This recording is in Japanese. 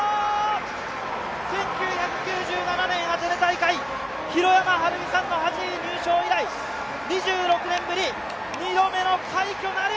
１９９７年、アテネ大会、弘山晴美さんの入賞以来、２度目の快挙なる！